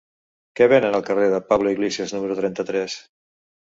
Què venen al carrer de Pablo Iglesias número trenta-tres?